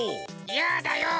やだよ！